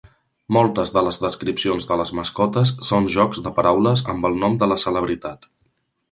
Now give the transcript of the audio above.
Moltes de les descripcions de les mascotes són jocs de paraules amb el nom de la celebritat.